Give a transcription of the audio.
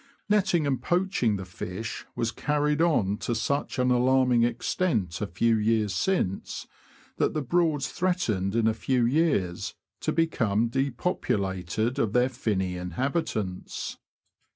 Netting and poaching the fish was carried on to such an alarming extent a few years since, that the Broads threatened in a few years to become de populated of their finny inhabitants.